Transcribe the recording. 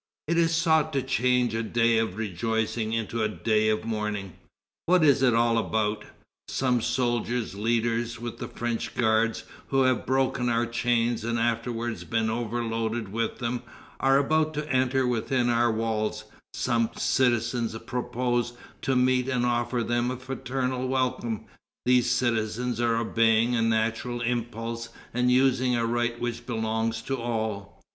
It is sought to change a day of rejoicing into a day of mourning.... What is it all about? Some soldiers, leaders with the French guards, who have broken our chains and afterwards been overloaded with them, are about to enter within our walls; some citizens propose to meet and offer them a fraternal welcome; these citizens are obeying a natural impulse and using a right which belongs to all.